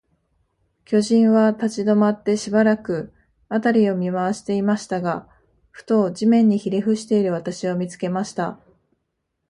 巨人は立ちどまって、しばらく、あたりを見まわしていましたが、ふと、地面にひれふしている私を、見つけました。